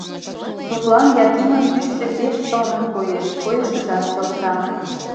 Тудлан Якимын тӱсшӧ пеш сылнын коеш, койышыжат келша.